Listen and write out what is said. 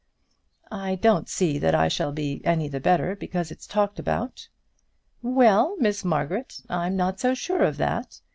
"I don't see that I shall be any the better because it's talked about." "Well, Miss Margaret, I'm not so sure of that.